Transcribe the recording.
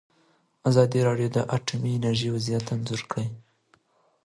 ازادي راډیو د اټومي انرژي وضعیت انځور کړی.